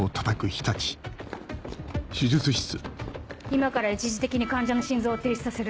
今から一時的に患者の心臓を停止させる。